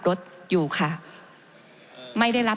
ผมจะขออนุญาตให้ท่านอาจารย์วิทยุซึ่งรู้เรื่องกฎหมายดีเป็นผู้ชี้แจงนะครับ